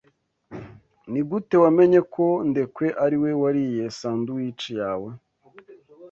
Nigute wamenye ko Ndekwe ariwe wariye sandwich yawe?